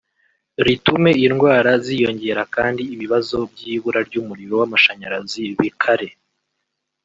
ritume indwara ziyongera kandi ibibazo by’ibura ry’umuriro w’amashanyarazi bikare